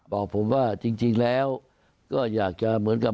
บอกผมว่าจริงแล้วก็อยากจะเหมือนกับ